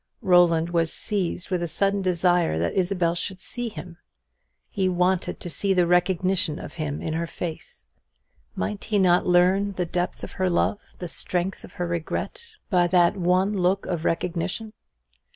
Roland was seized with a sudden desire that Isabel should see him. He wanted to see the recognition of him in her face. Might he not learn the depth of her love, the strength of her regret, by that one look of recognition?